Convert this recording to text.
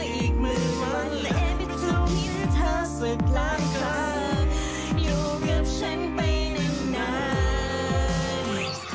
ยูกับฉันไปนาน